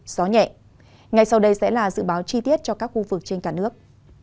gió nhẹ ngay sau đây sẽ là dự báo chi tiết cho các khu vực trên cả nước